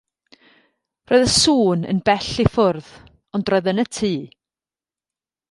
Roedd y sŵn yn bell i ffwrdd, ond roedd yn y tŷ.